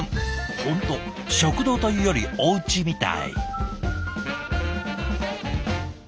本当食堂というよりおうちみたい。